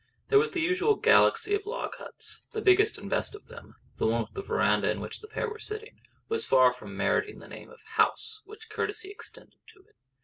There was the usual galaxy of log huts; the biggest and best of them, the one with the verandah in which the pair were sitting, was far from meriting the name of house which courtesy extended to it.